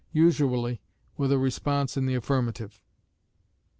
usually with a response in the affirmative.